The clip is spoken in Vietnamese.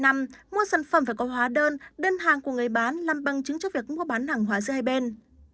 năm mua sản phẩm phải có hóa đơn đơn hàng của người bán làm bằng chứng cho việc mua bán hàng hóa giữa hai bên